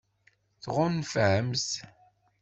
Tɣunfam-t?